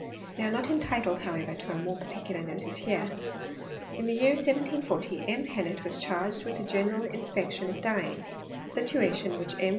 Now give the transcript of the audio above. They are not entitled, however, to a more particular notice here. In the year 1740 M. Hellot was charged with the general inspection of dyeing; a situation whidl M.